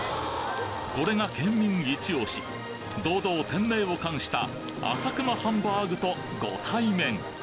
これが県民イチオシ堂々店名を冠したあさくまハンバーグとご対面！